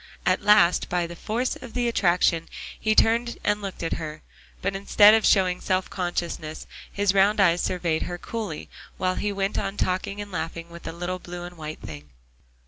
At last, by the force of attraction, he turned and looked at her. But instead of showing self consciousness, his round eyes surveyed her coolly, while he went on talking and laughing with the little blue and white thing.